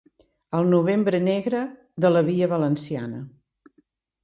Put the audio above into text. El novembre negre de la “via valenciana”